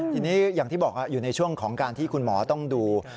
ทีนี้อย่างที่บอกอยู่ในช่วงของการที่คุณหมอต้องดู